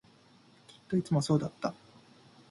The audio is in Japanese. きっといつもそうだった